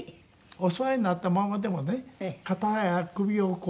お座りになったままでもね肩や首をこう動かすと。